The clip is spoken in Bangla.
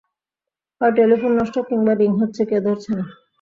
হয় টেলিফোন নষ্ট, কিংবা রিং হচ্ছে, কেউ ধরছে না।